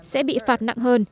sẽ bị phạt nặng hơn